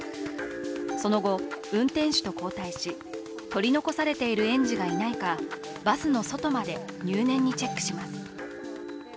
その後、運転手と交代し、取り残されている園児がいないか、バスの外まで入念にチェックします。